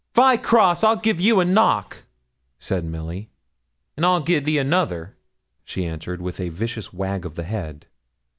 'If I cross, I'll give you a knock,' said Milly. 'And I'll gi' thee another,' she answered, with a vicious wag of the head.